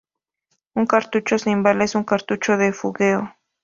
Un cartucho sin bala es un cartucho de fogueo.